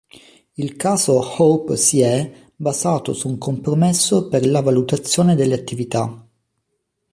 Il caso "Hope si è" basato su un compromesso per la valutazione delle attività.